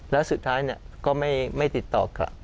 แล้วสุดท้ายก็ไม่ติดต่อกลับ